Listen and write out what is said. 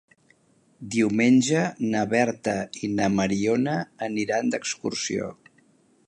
Diumenge na Berta i na Mariona aniran d'excursió.